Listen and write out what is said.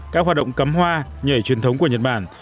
các hoạt động cắm hoa nhảy truyền thống của nhật bản